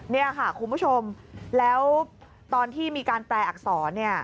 นี่ค่ะคุณผู้ชมแล้วตอนที่มีการแปลอักษรเนี่ย